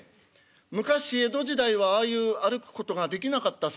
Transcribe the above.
昔江戸時代はああいう歩くことができなかったそうです。